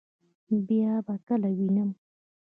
بیا به کله وینم؟